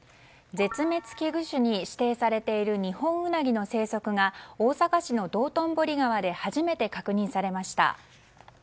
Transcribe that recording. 絶滅危惧種に指定されているニホンウナギの生息が大阪市の道頓堀川で初めて確認されました。